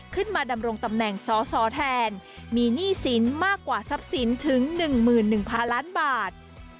ขึ้นมาดำรงตำแหน่งสอสอแทนมีหนี้สินมากกว่าทรัพย์สินถึง๑๑๐๐๐ล้านบาท